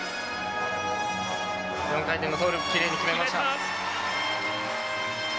４回転トウループきれいに決めました。